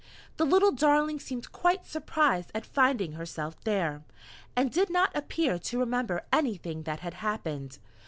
The little darling seemed quite surprised at finding herself there, and did not appear to remember anything that had happened.